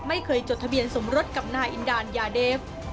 ไม่เคยจดทะเบียนสมรสกับนาอินดาลยาเดฟ